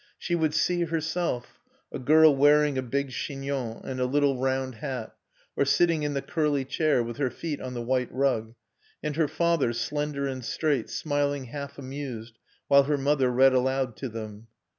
She would see herself, a girl wearing a big chignon and a little round hat; or sitting in the curly chair with her feet on the white rug; and her father, slender and straight, smiling half amused, while her mother read aloud to them.